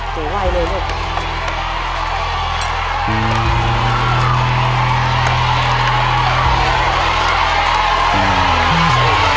เกไวเลยลูก